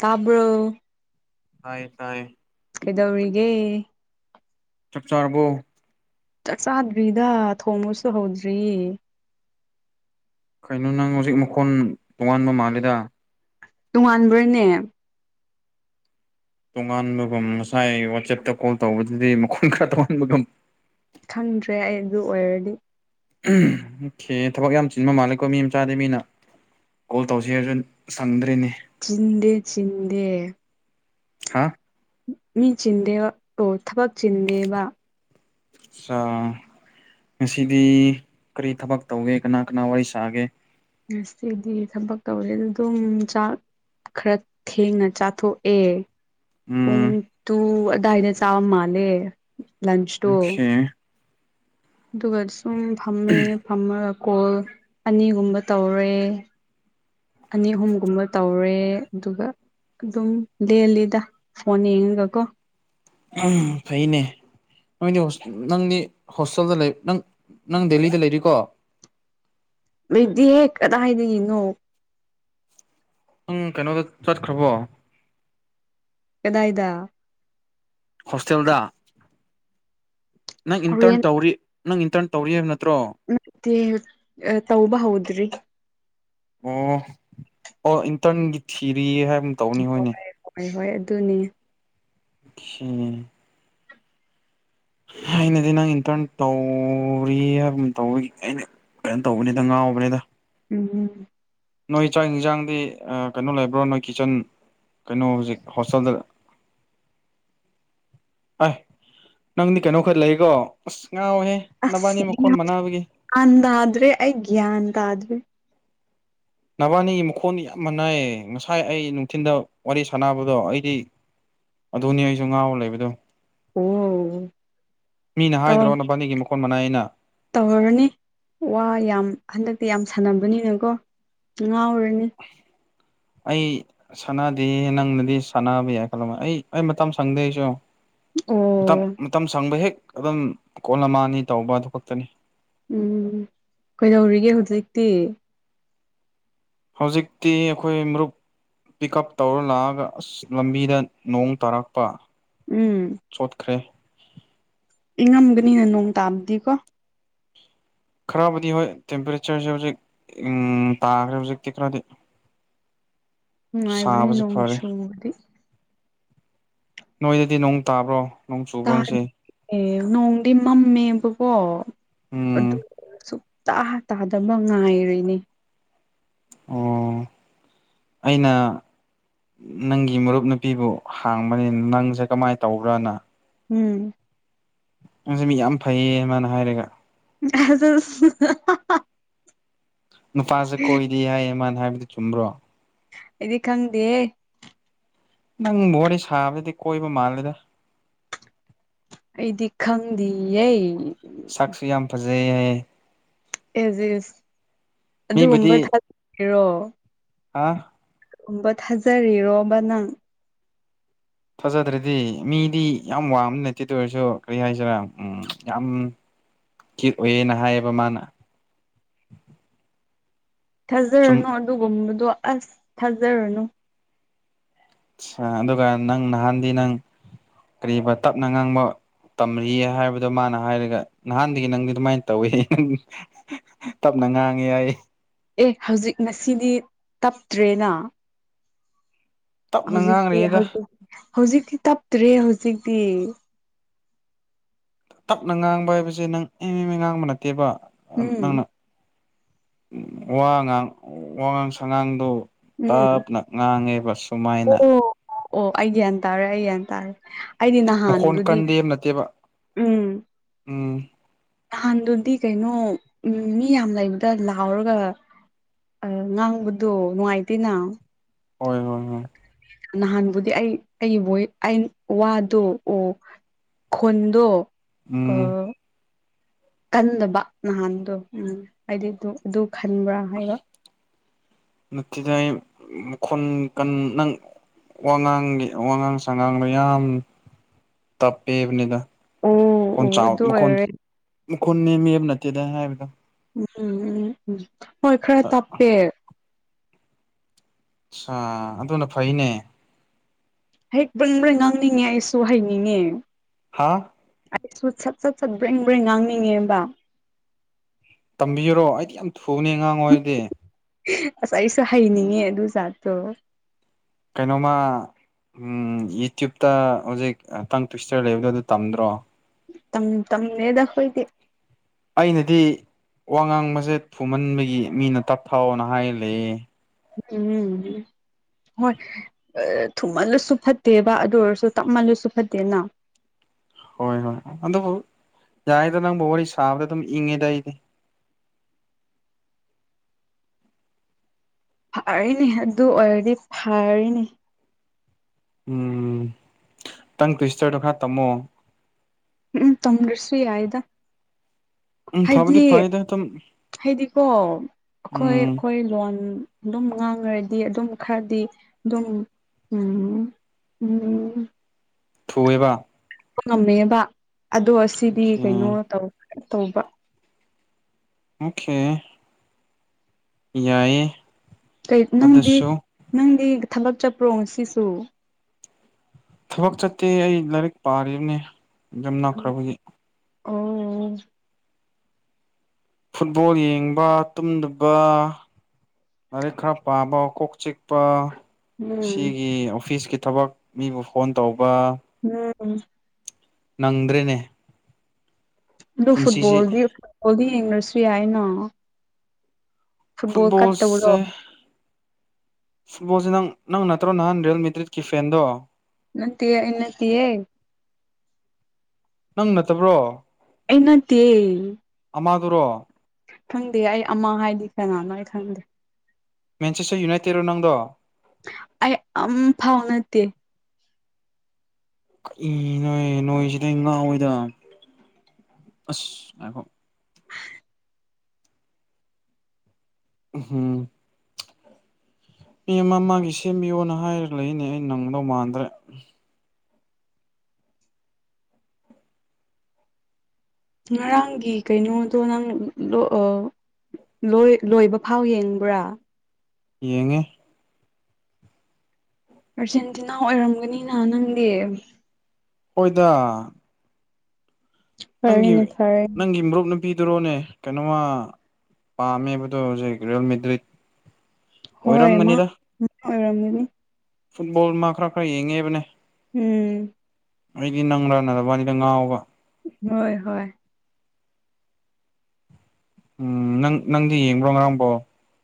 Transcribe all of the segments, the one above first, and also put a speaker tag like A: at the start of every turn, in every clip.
A: ꯇꯥꯕ꯭ꯔꯣ
B: ꯍꯥꯏꯌꯦ ꯇꯥꯏꯌꯦ
A: ꯀꯩꯗꯧꯔꯤꯒꯦ
B: ꯆꯥꯛ ꯆꯥꯔꯕꯣ
A: ꯆꯥꯛ ꯆꯥꯗ꯭ꯔꯤꯗ ꯊꯣꯡꯕꯁꯨ ꯍꯧꯗ꯭ꯔꯤꯌꯦ
B: ꯀꯩꯅꯣ ꯅꯪ ꯍꯧꯖꯤꯛ ꯃꯈꯣꯟ ꯇꯣꯉꯥꯟꯕ ꯃꯥꯂꯤꯗ
A: ꯇꯣꯉꯥꯟꯕ꯭ꯔꯥꯅꯦ
B: ꯇꯣꯉꯥꯟꯕꯒꯨꯝ ꯉꯁꯥꯏ ꯋꯥꯆꯦꯞꯇ ꯀꯣꯜ ꯇꯧꯕꯗꯨꯗꯤ ꯃꯈꯣꯟ ꯈꯔ ꯇꯣꯉꯥꯟꯕꯒꯨꯝ
A: ꯈꯪꯗ꯭ꯔꯦ ꯑꯩ ꯑꯗꯨ ꯑꯣꯏꯔꯗꯤ
B: ꯊꯕꯛ ꯌꯥꯝ ꯆꯤꯟꯕ ꯃꯥꯜꯂꯦꯀꯣ ꯃꯤ ꯃꯆꯥꯗꯤ ꯃꯤꯅ ꯀꯣꯜ ꯇꯧꯁꯦ ꯍꯥꯏꯔꯁꯨ ꯁꯪꯗ꯭ꯔꯦꯅꯦ
A: ꯆꯤꯟꯗꯦ ꯆꯤꯟꯗꯦ
B: ꯍꯥꯥ
A: ꯃꯤ ꯆꯤꯟꯗꯦꯕ ꯑꯣ ꯊꯕꯛ ꯆꯤꯟꯗꯦꯕ
B: ꯉꯁꯤꯗꯤ ꯀꯔꯤ ꯊꯕꯛ ꯇꯧꯒꯦ ꯀꯅꯥ ꯀꯅꯥ ꯋꯥꯔꯤ ꯁꯥꯒꯦ
A: ꯉꯁꯤꯗꯤ ꯊꯕꯛ ꯇꯧꯗꯦ ꯑꯗꯨꯝ ꯆꯥꯛ ꯈꯔ ꯊꯦꯡꯅ ꯆꯥꯊꯣꯛꯑꯦ ꯄꯨꯡ
B: ꯎꯝ
A: ꯇꯨ ꯑꯥꯗꯥꯏꯗ ꯆꯥꯕ ꯃꯥꯂꯦ ꯂꯥꯟꯁꯇꯣ
B: ꯑꯣꯀꯦ
A: ꯑꯗꯨꯒ ꯁꯨꯝ ꯐꯝꯃꯦ ꯐꯝꯃꯒ ꯀꯣꯜ ꯑꯅꯤꯒꯨꯝꯕ ꯇꯧꯔꯦ ꯑꯅꯤ ꯑꯍꯨꯝꯒꯨꯝꯕ ꯇꯧꯔꯦ ꯑꯗꯨꯒ ꯑꯗꯨꯝ ꯂꯦꯜꯂꯤꯗ ꯐꯣꯟ ꯌꯦꯡꯉꯒꯀꯣ
B: ꯎꯝ ꯐꯩꯅꯦ ꯅꯪꯗꯤ ꯍꯣꯁꯇꯦꯜꯗ ꯂꯩ ꯅꯪ ꯅꯪ ꯗꯦꯂꯤꯗ ꯂꯩꯔꯤꯀꯣ
A: ꯂꯩꯇꯦꯍꯦ ꯀꯗꯥꯏꯗꯒꯤꯅꯣ
B: ꯅꯪ ꯀꯩꯅꯣꯗ ꯆꯠꯈ꯭ꯔꯕꯣ
A: ꯀꯗꯥꯏꯗ
B: ꯍꯣꯁꯇꯦꯜꯗ ꯅꯪ ꯏꯟꯇꯔꯟ
A: ꯍꯣꯔꯦꯟ
B: ꯇꯧꯔꯤ ꯅꯪ ꯏꯟꯇꯔꯟ ꯇꯧꯔꯤꯕ ꯅꯠꯇ꯭ꯔꯣ
A: ꯅꯠꯇꯦ ꯇꯧꯕ ꯍꯧꯗ꯭ꯔꯤ
B: ꯑꯣ ꯑꯣ ꯏꯟꯇꯔꯟꯒꯤ ꯊꯤꯔꯤ ꯍꯥꯏꯕ
A: ꯍꯣꯏ ꯍꯣꯏ ꯍꯣꯏ ꯑꯗꯨꯅꯤ
B: ꯎꯝ ꯑꯩꯅꯗꯤ ꯅꯪ ꯏꯟꯇꯔꯟ ꯇꯧꯔꯤ ꯍꯥꯏꯕ ꯇꯧꯋꯒꯤ ꯑꯩꯅ ꯀꯩꯅꯣ ꯇꯧꯕꯅꯤꯗ ꯉꯥꯎꯕꯅꯤꯅ
A: ꯎꯝ
B: ꯅꯣꯏ ꯆꯥꯛ ꯌꯦꯟꯁꯥꯡꯗꯤ ꯀꯩꯅꯣ ꯂꯩꯕ꯭ꯔꯣ ꯅꯣꯏ ꯀꯤꯠꯆꯟ ꯀꯩꯅꯣ ꯍꯧꯖꯤꯛ ꯍꯣꯁꯇꯦꯜꯗ
A: [inaudible]
B: ꯑꯥꯏ ꯅꯪꯗꯤ ꯀꯩꯅꯣ ꯈꯔ ꯂꯩꯀꯣ ꯑꯁ ꯉꯥꯎꯋꯦꯍꯦ ꯅꯕꯥꯅꯤ
A: ꯑꯁ
B: ꯃꯈꯣꯟ ꯃꯅꯕꯒꯤ
A: ꯒ꯭ꯌꯥꯟ ꯇꯥꯗ꯭ꯔꯦ ꯑꯩ ꯒꯌꯥꯟ ꯇꯥꯗ꯭ꯔꯦ
B: ꯅꯕꯥꯅꯤꯒꯤ ꯃꯈꯣꯟ ꯌꯥꯝ ꯃꯅꯥꯏꯌꯦ ꯉꯁꯥꯏ ꯑꯩ ꯅꯨꯡꯊꯤꯟꯗ ꯋꯥꯔꯤ ꯁꯥꯟꯅꯕꯗꯣ ꯑꯩꯗꯤ ꯑꯗꯨꯅꯤ ꯑꯩꯁꯨ ꯉꯥꯎ ꯂꯩꯕꯗꯣ
A: ꯑꯣ
B: ꯃꯤꯅ ꯍꯥꯏꯗ꯭ꯔꯣ ꯅꯕꯥꯅꯤꯒꯤ ꯃꯈꯣꯟ ꯃꯅꯥꯏꯌꯦꯅ
A: ꯇꯧꯔꯅꯤ ꯋꯥ ꯌꯥꯝ ꯍꯟꯗꯛꯇꯤ ꯌꯥꯝ ꯁꯥꯟꯅꯕꯅꯤꯅꯀꯣ ꯉꯥꯎꯔꯅꯤ [inaudible]
B: ꯑꯩ ꯁꯥꯟꯅꯗꯦ ꯅꯪꯅꯗꯤ ꯁꯥꯟꯅꯕ ꯌꯥꯏ ꯈꯜꯂꯝꯃ ꯑꯩ ꯑꯩ ꯃꯇꯝ ꯁꯪꯗꯦ ꯑꯩꯁꯨ ꯃꯇꯝ
A: ꯑꯣ
B: ꯃꯇꯝ ꯁꯪꯕ ꯍꯦꯛ ꯑꯗꯨꯝ ꯀꯣꯂꯝꯃꯅꯤ ꯇꯧꯕ ꯑꯗꯨ ꯈꯛꯇꯅꯤ
A: ꯎꯝ ꯀꯩꯗꯧꯔꯤꯒꯦ ꯍꯧꯖꯤꯛꯇꯤ
B: ꯍꯧꯖꯤꯛꯇꯤ ꯑꯩꯈꯣꯏ ꯃꯔꯨꯞ ꯄꯤꯛ ꯎꯞ ꯇꯧꯔ ꯂꯥꯛꯑꯒ ꯑꯁ ꯂꯝꯕꯤꯗ ꯅꯣꯡ ꯇꯥꯔꯛꯄ
A: ꯎꯝ
B: ꯆꯣꯠꯈ꯭ꯔꯦ
A: ꯏꯪꯉꯝꯒꯅꯤꯅ ꯅꯣꯡ ꯇꯥꯕꯗꯤ ꯀꯣ
B: ꯈꯔꯕꯨꯗꯤ ꯍꯣꯏ ꯇꯦꯝꯄꯔꯦꯆꯔꯁꯦ ꯍꯧꯖꯤꯛ ꯎ ꯇꯥꯈ꯭ꯔꯦ ꯍꯧꯖꯤꯛꯇꯤ ꯈꯔꯗꯤ
A: ꯅꯨꯡꯉꯥꯏꯕꯅꯦ
B: ꯁꯥꯕꯁꯦ ꯐꯔꯦ
A: ꯅꯣꯡꯁꯨꯝꯕꯗꯤ
B: ꯅꯣꯏꯗꯗꯤ ꯅꯣꯡ ꯇꯥꯕ꯭ꯔꯣ ꯅꯣꯡ ꯆꯨꯕ꯭ꯔꯣ ꯉꯁꯤ
A: ꯇꯥꯗꯤꯌꯦ ꯅꯣꯡꯗꯤ ꯃꯝꯃꯦꯕꯀꯣ
B: ꯎꯝ
A: ꯑꯗꯨ ꯇꯥ ꯇꯥꯗꯕ ꯉꯥꯏꯔꯤꯅꯤ
B: ꯑꯣ ꯑꯩꯅ ꯅꯪꯒꯤ ꯃꯔꯨꯞ ꯅꯨꯄꯤꯕꯨ ꯍꯥꯡꯕꯅꯤ ꯅꯪꯁꯦ ꯀꯃꯥꯏ ꯇꯧꯕ꯭ꯔꯅ
A: ꯎꯝ
B: ꯅꯪꯖꯦ ꯃꯤ ꯌꯥꯝ ꯐꯩꯌꯦ ꯃꯥꯅ ꯍꯥꯏꯔꯒ
A: [inaudible]
B: ꯅꯨꯄꯥꯁꯄ ꯀꯣꯏꯔꯗꯦ ꯍꯥꯏꯌꯦ ꯃꯥꯅ ꯍꯥꯏꯕꯗꯨ ꯆꯨꯝꯕ꯭ꯔꯣ
A: ꯑꯩꯗꯤ ꯈꯪꯗꯦꯍꯦ
B: ꯅꯪ ꯋꯥꯔꯤ ꯁꯥꯕꯗꯗꯤ ꯀꯣꯏꯕ ꯃꯥꯜꯂꯦꯗ
A: ꯑꯩꯗꯤ ꯈꯪꯗꯤꯌꯦ
B: ꯁꯥꯛꯁꯨ ꯌꯥꯝ ꯐꯖꯩ ꯍꯥꯏꯌꯦ
A: ꯏꯁ ꯏꯁ ꯑꯗꯨꯒꯨꯝꯕ ꯊꯥꯖꯒꯦꯔꯣ
B: ꯍꯥ
A: ꯀꯨꯝꯕ ꯊꯥꯖꯔꯤꯔꯣꯕ ꯅꯪ
B: ꯊꯖꯗ꯭ꯔꯗꯤ ꯃꯤꯗꯤ ꯌꯥꯝ ꯋꯥꯡꯕ ꯅꯠꯇꯦ ꯑꯗꯨ ꯑꯣꯏꯔꯁꯨ ꯀꯔꯤ ꯍꯥꯏꯁꯤꯔꯥ ꯎꯝ ꯌꯥꯝ ꯀꯤꯠ ꯑꯣꯏꯌꯦꯅ ꯍꯥꯏꯌꯦꯕ ꯃꯥꯅ ꯆꯨꯝ
A: ꯊꯥꯖꯔꯅꯨ ꯑꯗꯨꯒꯨꯝꯕꯗꯣ ꯑꯁ ꯊꯥꯖꯔꯨꯅꯨ
B: ꯑꯁ ꯑꯗꯨꯒ ꯅꯪ ꯅꯍꯥꯟꯗꯤ ꯅꯪ ꯀꯔꯤꯕ ꯇꯞꯅ ꯉꯥꯡꯕ ꯇꯝꯔꯤꯌꯦ ꯍꯥꯏꯕꯗꯣ ꯃꯥꯅ ꯍꯥꯏꯔꯒ ꯅꯍꯥꯟꯗꯒꯤ ꯅꯪꯗꯤ ꯑꯗꯨꯃꯥꯏꯅ ꯇꯧꯏ ꯇꯞꯅ ꯉꯥꯡꯉꯦ ꯍꯥꯏꯌꯦ
A: ꯑꯦ ꯍꯧꯖꯤꯛ ꯉꯁꯤꯗꯤ ꯇꯞꯇ꯭ꯔꯦꯅ
B: ꯇꯞꯅ
A: ꯍꯧꯖꯤꯛꯇꯤ
B: ꯉꯥꯡꯔꯤꯗ
A: ꯍꯧꯖꯤꯛꯇꯤ ꯍꯧꯖꯤꯛꯇꯤ ꯇꯞꯇ꯭ꯔꯦ ꯍꯧꯖꯤꯛꯇꯤ
B: ꯇꯞꯅ ꯉꯥꯡꯕ ꯍꯥꯏꯕꯁꯦ ꯅꯪ ꯑꯦ ꯃꯤ ꯃꯤ ꯉꯥꯡꯕ ꯅꯠꯇꯦꯕ
A: ꯎꯝ
B: ꯅꯪꯅ ꯋꯥ ꯉꯥꯡ ꯋꯥꯉꯥꯡ ꯁꯉꯥꯡꯗꯣ
A: ꯎꯝ
B: ꯇꯞꯅ ꯉꯥꯡꯉꯦꯕ ꯁꯨꯃꯥꯏꯅ
A: ꯑꯣ ꯑꯣ ꯑꯩ ꯒ꯭ꯌꯥꯟ ꯇꯥꯔꯦ ꯑꯩꯒ꯭ꯌꯥꯟ ꯇꯥꯔꯦ ꯑꯩꯗꯤ
B: ꯃꯈꯣꯟ
A: ꯅꯍꯥꯟꯗꯨꯗꯤ
B: ꯀꯟꯗꯦꯕ ꯅꯠꯇꯦꯕ
A: ꯎꯝ
B: ꯎꯝ
A: ꯅꯍꯥꯟꯗꯨꯗꯤ ꯀꯩꯅꯣ ꯃꯤ ꯌꯥꯝ ꯂꯩꯕꯗ ꯂꯥꯎꯔꯒ ꯑ ꯉꯥꯡꯕꯗꯣ ꯅꯨꯡꯉꯥꯏꯇꯦꯅ
B: ꯍꯣꯏ ꯍꯣꯏ ꯍꯣꯏ
A: ꯅꯍꯥꯟꯕꯨꯗꯤ ꯑꯩ ꯑꯩ ꯕꯣꯏ ꯑꯩ ꯋꯥꯗꯣ ꯑꯣ ꯈꯣꯟꯗꯣ ꯑ
B: ꯎꯝ
A: ꯀꯟꯗꯕ ꯅꯍꯥꯟꯗꯨ ꯎꯝ ꯑꯩꯗꯤ ꯇꯨ ꯑꯗꯨ ꯈꯟꯕ꯭ꯔꯥ ꯍꯥꯏꯕ
B: ꯅꯠꯇꯗ ꯃꯈꯣꯟ ꯀꯟ ꯅꯪ ꯋꯥꯉꯥꯡꯒꯤ ꯋꯥꯉꯥꯡ ꯁꯉꯥꯡꯗꯣ ꯌꯥꯝ ꯇꯞꯄꯦꯕꯅꯤꯗ
A: ꯑꯣ
B: ꯃꯈꯣꯟ
A: ꯑꯣ
B: ꯆꯥꯎ
A: ꯑꯗꯨ
B: ꯃꯈꯣꯟ
A: ꯑꯣꯏꯔꯦ
B: ꯃꯈꯣꯟ ꯅꯦꯝꯃꯦ ꯍꯥꯏꯕ ꯅꯠꯇꯦꯗ ꯍꯥꯏꯕꯗꯣ
A: ꯎꯝ ꯎꯝ ꯎꯝ ꯍꯣꯏ ꯈꯔ ꯇꯞꯄꯦ
B: ꯑꯥ ꯑꯗꯨꯅ ꯐꯩꯅꯦ
A: ꯍꯦꯛ ꯄꯟꯕ꯭ꯔꯥ ꯉꯥꯡꯅꯤꯡꯉꯦ ꯑꯩꯁꯨ ꯍꯥꯏꯅꯤꯡꯉꯦ
B: ꯍꯥꯥ
A: ꯑꯩꯁꯨ ꯁꯠ ꯁꯠ ꯁꯠ ꯕ꯭ꯔꯦꯡ ꯕ꯭ꯔꯦꯡ ꯉꯥꯡꯅꯤꯡꯉꯦꯕ
B: ꯇꯝꯕꯤꯌꯨꯔꯣ ꯑꯩꯗꯤ ꯌꯥꯝ ꯊꯨꯅꯦ ꯉꯥꯡꯉꯣ ꯍꯥꯏꯗꯤ
A: ꯑꯁ ꯑꯩꯁꯨ ꯍꯩꯅꯤꯡꯉꯦ ꯑꯗꯨ ꯖꯥꯠꯇꯣ
B: ꯀꯩꯅꯣꯝꯃ ꯎꯝ ꯌꯨꯇ꯭ꯌꯨꯕꯇ ꯍꯧꯖꯤꯛ ꯇꯪ ꯇ꯭ꯋꯤꯁꯇꯔ ꯂꯩꯕꯗꯣ ꯑꯗꯨ ꯇꯝꯗ꯭ꯔꯣ
A: ꯇꯝ ꯇꯝꯗꯦꯗ ꯑꯩꯈꯣꯏꯗꯤ
B: ꯑꯩꯅꯗꯤ ꯋꯥ ꯉꯥꯡꯕꯖꯦ ꯊꯨꯃꯟꯕꯒꯤ ꯃꯤꯅ ꯇꯞꯊꯧꯅ ꯍꯥꯏꯔ ꯂꯩꯌꯦ
A: ꯎꯝ ꯍꯣꯏ ꯑꯥ ꯊꯨꯝꯃꯜꯂꯁꯨ ꯐꯠꯇꯦꯕ ꯑꯗꯨ ꯑꯣꯏꯔꯁꯨ ꯇꯞꯃꯜꯂꯁꯨ ꯐꯠꯇꯦꯅ
B: ꯍꯣꯏ ꯍꯣꯏ ꯑꯗꯨꯕꯨ ꯌꯥꯔꯤꯗ ꯅꯪꯕꯨ ꯋꯥꯔꯤ ꯁꯥꯕꯗ ꯑꯗꯨꯝ ꯏꯪꯉꯦꯗ ꯑꯩꯗꯤ
A: ꯐꯔꯤꯅꯤ ꯑꯗꯨ ꯑꯣꯏꯔꯗꯤ ꯐꯔꯤꯅꯤ
B: ꯎꯝ ꯅꯪ ꯇ꯭ꯋꯤꯁꯇꯔꯗꯣ ꯈꯔ ꯇꯝꯃꯣ
A: ꯎꯝ ꯇꯝꯗ꯭ꯔꯁꯨ ꯌꯥꯏꯌꯦꯗ
B: ꯎꯝ ꯐꯕꯗꯤ ꯐꯩꯌꯦꯗ ꯑꯗꯨ
A: ꯍꯥꯏꯗꯤꯀꯣ ꯑꯩꯈꯣꯏ
B: ꯎꯝ
A: ꯑꯩꯈꯣꯏ ꯂꯣꯟ ꯑꯗꯨꯝ ꯉꯥꯡꯈ꯭ꯔꯗꯤ ꯑꯗꯨꯝ ꯈꯔꯗꯤ ꯑꯗꯨꯝ ꯎꯝ ꯎꯝ
B: ꯊꯨꯏꯌꯦꯕ
A: ꯉꯝꯃꯦꯕ ꯑꯗꯣ ꯑꯁꯤꯗꯤ
B: ꯑꯣꯀꯦ
A: ꯀꯩꯅꯣ ꯇꯧ ꯇꯧꯕ
B: ꯑꯣꯛꯀꯦ ꯌꯥꯏꯌꯦ
A: ꯀꯩ ꯅꯪꯗꯤ
B: ꯑꯗꯨꯁꯨ
A: ꯅꯪꯗꯤ ꯊꯕꯛ ꯆꯠꯄ꯭ꯔꯣ ꯉꯁꯤꯁꯨ
B: ꯊꯕꯛ ꯆꯠꯇꯦ ꯑꯩ ꯂꯥꯏꯔꯤꯛ ꯄꯥꯔꯤꯕꯅꯤ ꯌꯝ ꯅꯛꯈ꯭ꯔꯕꯒꯤ
A: ꯑꯣ
B: ꯐꯨꯠꯕꯣꯜ ꯌꯦꯡꯕ ꯇꯨꯝꯗꯕ ꯂꯥꯏꯔꯤꯛ ꯈꯔ ꯄꯥꯕ ꯀꯣꯛ ꯆꯤꯛꯄ
A: ꯎꯝ
B: ꯁꯤꯒꯤ ꯑꯣꯐꯤꯁꯀꯤ ꯊꯕꯛ ꯃꯤꯕꯨ ꯐꯣꯟ ꯇꯧꯕ
A: ꯎꯝ
B: ꯅꯪꯗ꯭ꯔꯦꯅꯦ
A: ꯑꯗꯨ
B: ꯄꯨꯟꯁꯤꯁꯤ
A: ꯐꯨꯠꯕꯣꯜꯗꯤ ꯐꯨꯠꯕꯣꯜꯗꯤ ꯌꯦꯡꯗꯔꯁꯨ ꯌꯥꯏꯅ ꯐꯨꯠꯕꯣꯜ
B: ꯐꯨꯠꯕꯣꯜꯁꯦ
A: ꯀꯠꯇꯕ꯭ꯔꯣ
B: ꯐꯨꯠꯕꯣꯜꯁꯦ ꯅꯪ ꯅꯪ ꯅꯠꯇ꯭ꯔꯣ ꯅꯍꯥꯟ ꯔꯤꯌꯦꯜꯃꯤ ꯇ꯭ꯔꯤꯠꯀꯤ ꯐꯦꯟꯗꯣ
A: ꯅꯠꯇꯦ ꯑꯩ ꯅꯠꯇꯤꯑꯦ
B: ꯅꯪ ꯅꯠꯇꯕ꯭ꯔꯣ
A: ꯑꯩ ꯅꯠꯇꯦ
B: ꯑꯃꯗꯨꯔꯣ
A: ꯈꯪꯗꯦ ꯑꯩ ꯑꯃ ꯍꯥꯏꯗꯤ ꯀꯅꯥꯅꯣ ꯑꯩ ꯈꯪꯗꯦ
B: ꯃꯦꯁꯤꯁꯨ ꯌꯨꯅꯥꯏꯇꯦꯠꯂꯣ ꯅꯪꯗꯣ
A: ꯑꯩ ꯑꯝ ꯐꯥꯎ ꯅꯠꯇꯦ
B: ꯀꯩ ꯅꯣꯏ ꯅꯣꯏꯁꯤꯗꯤ ꯉꯥꯎꯋꯦꯗ ꯑꯁ ꯉꯥꯏꯈꯣ ꯎꯝ ꯃꯤ ꯑꯃ ꯃꯥꯒꯤ ꯁꯦꯝꯕꯤꯌꯣꯅ ꯍꯥꯏꯔꯒ ꯂꯩꯏꯅꯦ ꯑꯩ ꯅꯪꯗꯧ ꯃꯥꯟꯗ꯭ꯔꯦ
A: ꯉꯔꯥꯡꯒꯤ ꯀꯩꯅꯣꯗꯣ ꯅꯪ ꯂꯣꯑ ꯂꯣꯏ ꯂꯣꯏꯕ ꯐꯥꯎ ꯌꯦꯡꯕ꯭ꯔꯥ
B: ꯌꯦꯡꯉꯦ
A: ꯑꯔꯖꯦꯟꯇꯤꯅꯥ ꯑꯣꯏꯔꯝꯒꯅꯤꯅ ꯅꯪꯗꯤ
B: ꯑꯣꯏꯗ ꯅꯪꯒꯤ
A: ꯐꯔꯦꯅꯦ ꯐꯔꯦꯅꯦ
B: ꯅꯪꯒꯤ ꯃ꯭ꯔꯨꯞꯅ ꯄꯤꯗꯔꯣꯅꯦ ꯀꯩꯅꯣꯃ ꯄꯥꯝꯃꯦꯕꯗꯣ ꯍꯧꯖꯤꯛ ꯔꯤꯌꯦꯜꯃꯤꯇ꯭ꯔꯤꯠ
A: ꯍꯣꯏ ꯃꯥ ꯃꯥ ꯑꯣꯏꯔꯝꯅꯤ
B: ꯐꯨꯠꯕꯣꯜ ꯃꯥ ꯈꯔ ꯈꯔ ꯌꯦꯡꯉꯦꯕꯅꯦ
A: ꯎꯝ
B: ꯑꯩꯗꯤ ꯅꯪꯂꯥꯅ ꯅꯕꯥꯅꯤꯗ ꯉꯥꯎꯕ
A: ꯍꯣꯏ ꯍꯣꯏ
B: ꯎꯝ ꯅꯪ ꯅꯪꯗꯤ ꯌꯦꯡꯕ꯭ꯔꯣ ꯉꯔꯥꯡꯕꯣ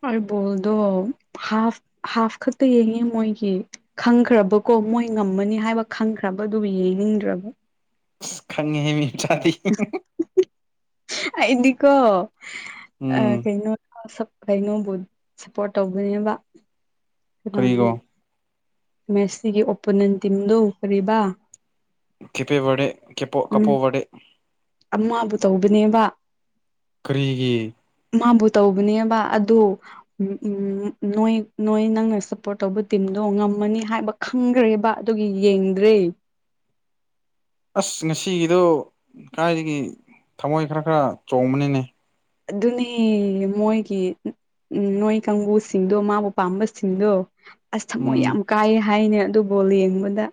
A: ꯍꯣꯏ ꯕꯣꯜꯗꯣ ꯍꯥꯐ ꯍꯥꯐ ꯈꯛꯇ ꯌꯦꯡꯉꯦ ꯃꯣꯏꯒꯤ ꯈꯪꯈ꯭ꯔꯕꯀꯣ ꯃꯣꯏ ꯉꯝꯃꯅꯤ ꯍꯥꯏꯕ ꯈꯪꯈ꯭ꯔꯕ ꯑꯗꯨꯕꯨ ꯌꯦꯡꯅꯤꯡꯗ꯭ꯔꯕ
B: ꯈꯪꯉꯦꯍꯦ ꯃꯤ ꯃꯆꯥꯗꯤ
A: ꯑꯩꯗꯤꯀꯣ ꯑ
B: ꯎꯝ
A: ꯀꯩꯅꯣ ꯀꯩꯅꯣꯝꯕꯨ ꯁꯞꯄꯣꯔꯠ ꯇꯧꯒꯅꯦꯕ ꯀꯅꯥ
B: ꯀꯔꯤꯒꯣ
A: ꯃꯦꯠꯁꯁꯤꯒꯤ ꯑꯣꯄꯣꯅꯦꯟ ꯇꯤꯝꯗꯨ ꯀꯔꯤꯕ
B: ꯀꯦꯄꯦꯕꯦ ꯀꯦꯄꯣ
A: ꯎꯝ
B: ꯀꯄꯣꯕꯦ
A: ꯑꯃꯕꯨ ꯇꯧꯕꯅꯦꯕ
B: ꯀꯔꯤꯒꯤ
A: ꯃꯥꯕꯨ ꯇꯧꯕꯅꯦꯕ ꯑꯗꯨ ꯎ ꯎꯝ ꯅꯣꯏ ꯅꯣꯏ ꯅꯪꯅ ꯁꯞꯄꯣꯔꯠ ꯇꯧꯕ ꯇꯤꯝꯗꯣ ꯉꯝꯃꯅꯤ ꯍꯥꯏꯕ ꯈꯪꯒ꯭ꯔꯦꯕ ꯑꯗꯨꯒꯤ ꯌꯦꯡꯗ꯭ꯔꯦ
B: ꯑꯁ ꯉꯁꯤꯒꯤꯗꯣ ꯀꯥꯏꯗꯒꯤ ꯊꯃꯣꯏ ꯈꯔ ꯈꯔ ꯆꯣꯡꯕꯅꯤꯅꯦ
A: ꯑꯗꯨꯅꯦ ꯃꯣꯏꯒꯤ ꯅꯣꯏ ꯀꯥꯡꯕꯨꯁꯤꯡꯗꯣ ꯃꯥꯕꯨ ꯄꯥꯝꯕꯁꯤꯡꯗꯣ ꯑꯁ ꯊꯃꯣꯏ
B: ꯎꯝ
A: ꯌꯥꯝ ꯀꯥꯏꯌꯦ ꯍꯥꯏꯅꯦ ꯑꯗꯨ ꯕꯣꯜ ꯌꯦꯡꯕꯗ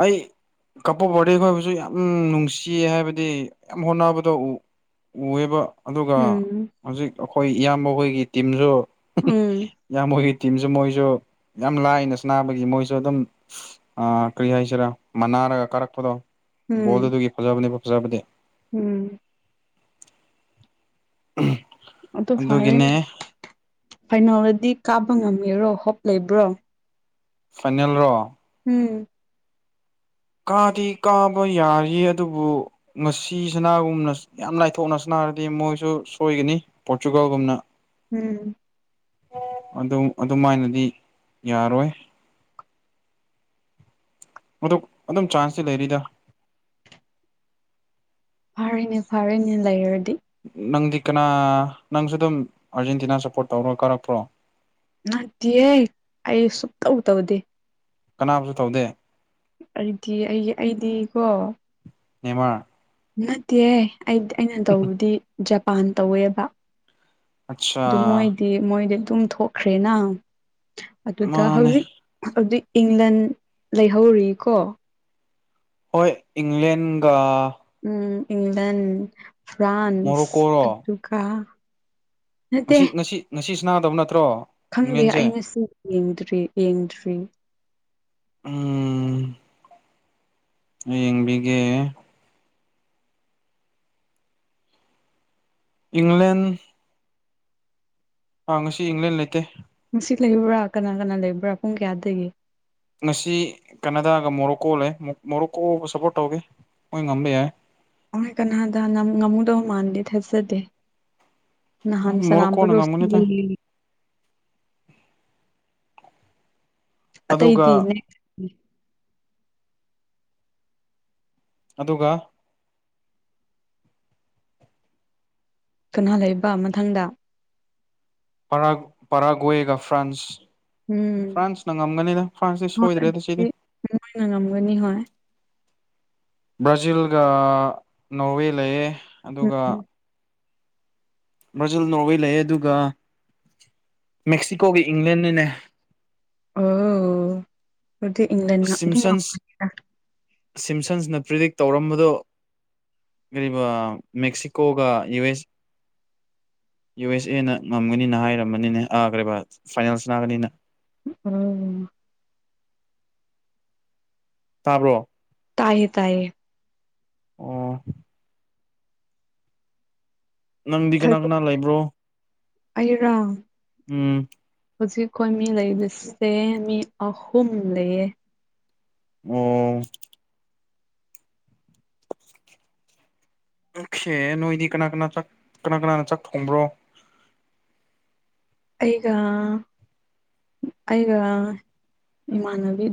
B: ꯑꯩ ꯀꯄꯣꯕꯗꯩ ꯈꯣꯏꯕꯁꯨ ꯌꯥꯝ ꯅꯨꯡꯁꯤ ꯍꯥꯏꯕꯗꯤ ꯌꯥꯝ ꯍꯣꯠꯅꯕꯗ ꯎ ꯎꯑꯦꯕ ꯑꯗꯨꯒ
A: ꯎꯝ
B: ꯍꯧꯖꯤꯛ ꯑꯩꯈꯣꯏ ꯏꯌꯥꯝꯕ ꯍꯣꯏꯒꯤ ꯇꯤꯝꯁꯨ
A: ꯎꯝ
B: ꯏꯌꯥꯝꯕ ꯍꯣꯏꯒꯤ ꯇꯤꯝꯁꯨ ꯃꯣꯏꯁꯨ ꯌꯥꯝ ꯂꯥꯏꯅ ꯁꯅꯥꯕꯒꯤ ꯃꯣꯏꯁꯨ ꯑꯗꯨꯝ ꯑꯥ ꯀ꯭ꯔꯤ ꯍꯥꯏꯁꯤꯔꯥ ꯃꯅꯥꯔꯒ ꯀꯥꯔꯛꯄꯗꯣ
A: ꯎꯝ
B: ꯕꯣꯜꯗꯨꯗꯒꯤ ꯐꯖꯕꯅꯦ ꯐꯖꯕꯗꯤ
A: ꯎꯝ
B: [inaudible]
A: ꯑꯗꯨ ꯐꯔꯦꯅꯦ
B: ꯑꯗꯨꯒꯤꯅꯦ
A: ꯐꯥꯏꯅꯦꯜꯗꯗꯤ ꯀꯥꯕ ꯉꯝꯒꯦꯔꯣ ꯍꯣꯞ ꯂꯩꯕ꯭ꯔꯣ
B: ꯐꯥꯏꯅꯦꯜꯔꯣ
A: ꯎꯝ
B: ꯀꯥꯗꯤ ꯀꯥꯕ ꯌꯥꯔꯤ ꯑꯗꯨꯕꯨ ꯉꯁꯤ ꯁꯥꯅꯒꯨꯝꯅ ꯌꯥꯝ ꯂꯥꯏꯊꯣꯛꯅ ꯁꯥꯅꯔꯗꯤ ꯃꯣꯏꯁꯨ ꯁꯣꯏꯒꯅꯤ ꯄꯣꯔꯇꯨꯒꯜꯒꯨꯝꯅ
A: ꯎꯝ
B: ꯑꯗꯨꯝ ꯑꯗꯨꯃꯥꯏꯅꯗꯤ ꯌꯥꯔꯣꯏ ꯃꯗꯨ ꯑꯗꯨꯝ ꯆꯥꯟꯁꯇꯤ ꯂꯩꯔꯤꯗ
A: ꯐꯔꯦꯅꯦ ꯐꯔꯦꯅꯦ ꯂꯩꯔꯗꯤ
B: ꯅꯪꯗꯤ ꯀꯅꯥ ꯅꯪꯁꯨ ꯑꯗꯨꯝ ꯑꯥꯔꯖꯦꯟꯇꯤꯅꯥ ꯁꯞꯄꯣꯔꯠ ꯇꯧꯔ ꯀꯥꯔꯛꯄ꯭ꯔꯣ
A: ꯅꯠꯇꯤꯌꯦ ꯑꯩ ꯁꯨꯛꯇꯧ ꯇꯧꯗꯦ
B: ꯀꯅꯥꯕꯨꯁꯨ ꯇꯧꯗꯦ
A: ꯑꯩꯗꯤ ꯑꯩꯒꯤ ꯑꯩꯗꯤꯀꯣ
B: ꯅꯦꯃꯥꯔ
A: ꯅꯠꯇꯦ ꯑꯩ ꯑꯩꯅ ꯇꯧꯕꯗꯤ ꯖꯄꯥꯟ ꯇꯧꯋꯦꯕ
B: ꯑꯠꯆꯥ
A: ꯑꯗꯨ ꯃꯣꯏꯗꯤ ꯃꯣꯏꯗꯤ ꯑꯗꯨꯝ ꯊꯣꯛꯈ꯭ꯔꯦꯅꯥ ꯑꯗꯨꯗ
B: ꯃꯥꯅꯦ
A: ꯍꯧꯖꯤꯛ ꯍꯧꯖꯤꯛ ꯏꯪꯂꯟ ꯂꯩꯍꯧꯔꯤꯀꯣ
B: ꯍꯣꯏ ꯏꯪꯂꯦꯟꯒ
A: ꯎꯝ ꯏꯪꯂꯟ ꯐ꯭ꯔꯥꯟꯁ
B: ꯃꯣꯔꯣꯀꯣꯔꯣ
A: ꯑꯗꯨꯒ ꯅꯠꯇꯦ
B: ꯉꯁꯤ ꯉꯁꯤ ꯉꯁꯤ ꯁꯥꯅꯗꯕ ꯅꯠꯇ꯭ꯔꯣ
A: ꯈꯪꯗꯦ
B: ꯏꯪꯂꯦꯟꯁꯦ
A: ꯑꯩ ꯉꯁꯤ ꯌꯦꯡꯗ꯭ꯔꯤ ꯌꯦꯡꯗ꯭ꯔꯤ
B: ꯎꯝ ꯑꯩ ꯌꯦꯡꯕꯤꯒꯦ ꯏꯪꯂꯦꯟ ꯑ ꯉꯁꯤ ꯏꯪꯂꯦꯟ ꯂꯩꯇꯦ
A: ꯉꯁꯤ ꯂꯩꯕ꯭ꯔꯥ ꯀꯅꯥ ꯀꯅꯥ ꯂꯩꯕ꯭ꯔꯥ ꯄꯨꯡ ꯀꯌꯥꯗꯒꯤ
B: ꯉꯁꯤ ꯀꯅꯥꯗꯥꯒ ꯃꯣꯔꯣꯀꯣ ꯂꯩ ꯃꯣꯔꯣꯛꯀꯣꯒ ꯁꯞꯄꯣꯔꯠ ꯇꯧꯒꯦ ꯃꯣꯏ ꯉꯝꯕ ꯌꯥꯏ
A: ꯑꯣꯏ ꯀꯥꯅꯥꯗꯥꯅ ꯉꯝꯗꯧ ꯃꯥꯟꯗꯦ ꯊꯥꯖꯗꯦ ꯅꯍꯥꯟ ꯁꯅꯥꯝꯕ
B: ꯃꯣꯔꯣꯀꯣꯅ
A: ꯔꯣꯁꯅꯤ
B: ꯉꯝꯒꯅꯤꯗ
A: ꯍꯣꯏꯒꯤ ꯑꯇꯩꯗꯤ
B: ꯑꯗꯨꯒ
A: ꯃꯦꯛ
B: ꯑꯗꯨꯒ
A: ꯀꯅꯥ ꯂꯩꯕ ꯃꯊꯪꯗ
B: ꯄꯔꯥ ꯄꯔꯥꯒꯣꯌꯦꯒ ꯐ꯭ꯔꯥꯟꯁ
A: ꯎꯝ
B: ꯐ꯭ꯔꯥꯟꯁꯅ ꯉꯝꯒꯅꯤꯗ ꯐ꯭ꯔꯥꯟꯁꯇꯤ
A: ꯍꯣꯏ
B: ꯁꯣꯏꯗ꯭ꯔꯦꯗ
A: ꯑꯗꯨꯗꯤ
B: ꯁꯤꯗꯤ
A: ꯃꯣꯏꯅ ꯉꯝꯒꯅꯤ ꯍꯣꯏ
B: ꯕ꯭ꯔꯥꯖꯤꯜꯒ ꯅꯣꯔꯋꯦ ꯂꯩꯌꯦ ꯑꯗꯨꯒ
A: ꯎꯝ
B: ꯕ꯭ꯔꯥꯖꯤꯜ ꯅꯣꯔꯋꯦ ꯂꯩꯌꯦ ꯑꯗꯨꯒ ꯃꯦꯛꯁꯤꯀꯣꯒꯤ ꯏꯪꯂꯦꯟꯅꯤꯅꯦ
A: ꯑꯣ ꯑꯗꯨꯗꯤ ꯏꯪꯂꯦ
B: ꯁꯤꯝꯁꯟꯁ ꯁꯤꯝꯁꯟꯁꯅ ꯄ꯭ꯔꯤꯗꯤꯛ ꯇꯧꯔꯝꯕꯗꯣ ꯀꯔꯤꯕ ꯃꯦꯛꯁꯤꯀꯣꯒ ꯌꯨ ꯑꯦꯁ ꯌꯨ ꯑꯦꯁ ꯑꯦꯅ ꯉꯝꯒꯅꯤꯅ ꯍꯥꯏꯔꯝꯕꯅꯤꯅ ꯑ ꯀꯔꯤꯕ ꯐꯥꯏꯅꯦꯜ ꯁꯥꯟꯅꯒꯅꯤꯅ
A: ꯎꯝ
B: ꯇꯥꯕ꯭ꯔꯣ
A: ꯇꯥꯏꯌꯦ ꯇꯥꯏꯌꯦ
B: ꯑꯣ ꯅꯪꯗꯤ ꯀꯅꯥ ꯀꯅꯥ ꯂꯩꯕ꯭ꯔꯣ
A: ꯑꯩꯥꯔ
B: ꯎꯝ
A: ꯍꯧꯖꯤꯛ ꯑꯩꯈꯣꯏ ꯃꯤ ꯂꯩꯔꯤꯁꯦ ꯃꯤ ꯑꯍꯨꯝ ꯂꯩꯌꯦ
B: ꯑꯣ ꯑꫭꯈꯦ ꯅꯣꯏꯗꯤ ꯀꯅꯥ ꯀꯅꯥ ꯆꯥꯛ ꯀꯅꯥ ꯀꯅꯥꯅ ꯆꯥꯛ ꯊꯣꯡꯕ꯭ꯔꯣ
A: ꯑꯩꯒ ꯑꯩꯒ ꯏꯃꯥꯟꯅꯕꯤꯒ